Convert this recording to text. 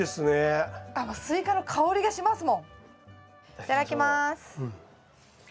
いただきます。